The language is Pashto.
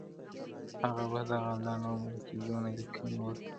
هغه په دغه لنډ عمر کي دونه لیکني وکړې -